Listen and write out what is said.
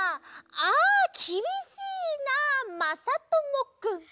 ああきびしいなあ、まさともくん！」。